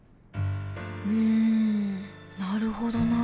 うんなるほどな。